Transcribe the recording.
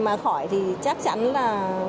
mà khỏi thì chắc chắn là